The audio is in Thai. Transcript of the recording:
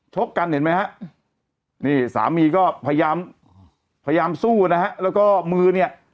กันเห็นไหมฮะนี่สามีก็พยายามพยายามสู้นะฮะแล้วก็มือเนี่ย